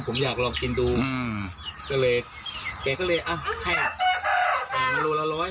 ผมอยากลองกินดูอืมก็เลยแกก็เลยอ่ะให้อ่ะโลละร้อย